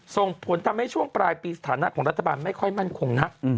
ส่งผลทำให้ช่วงปลายปีสถานะของรัฐบาลไม่ค่อยมั่นคงนัก